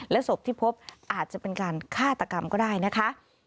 ศพที่พบอาจจะเป็นการฆาตกรรมก็ได้นะคะ